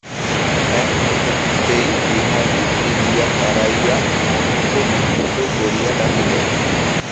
এক মুহূর্তেই বিহারী ফিরিয়া দাঁড়াইয়া মহেন্দ্র মহেন্দ্র করিয়া ডাকিল।